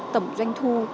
tổng doanh thu